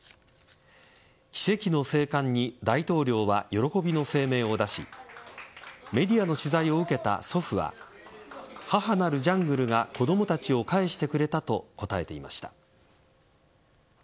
奇跡の生還に大統領は喜びの声明を出しメディアの取材を受けた祖父は母なるジャングルが子供たちを返してくれたと答えていました。